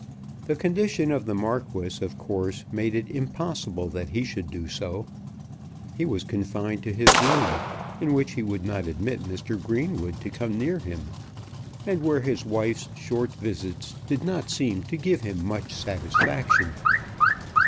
The condition of the Marquis, of course, made it impossible that he should do so. He was confined to his room, in which he would not admit Mr. Greenwood to come near him, and where his wife's short visits did not seem to give him much satisfaction.